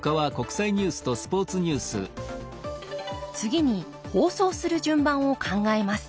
次に放送する順番を考えます。